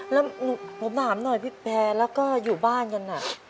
แล้วผมถามหน่อยพี่แพ้อยู่บ้านกันน่ะ